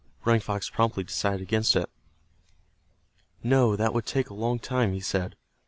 Running Fox promptly decided against it. "No, that would take a long time," he said.